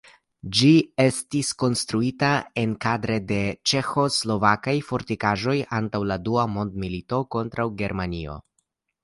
Ĝi estis konstruita enkadre de ĉeĥoslovakaj fortikaĵoj antaŭ la dua mondmilito kontraŭ Germanio.